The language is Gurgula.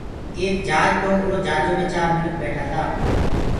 ايڪ جھاجِ تو اُرو جھآجو مي چآر منک ٻيٺآ تآ